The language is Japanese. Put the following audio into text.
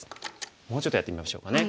もうちょっとやってみましょうかね。